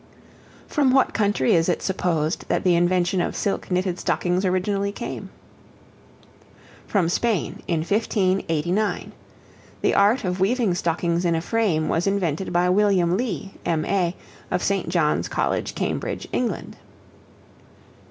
From what country is it supposed that the invention of silk knitted stockings originally came? From Spain, in 1589. The art of weaving stockings in a frame was invented by William Lee, M.A., of St. John's College, Cambridge, England.